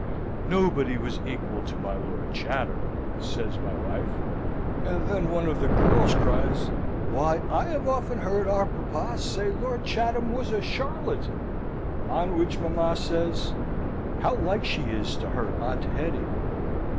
"Nobody was equal to my Lord Chatham," says my wife. And then one of the girls cries, "Why, I have often heard our papa say Lord Chatham was a charlatan!" On which mamma says, "How like she is to her Aunt Hetty!"